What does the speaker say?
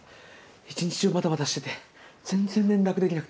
一日中バタバタしてて全然連絡できなくて。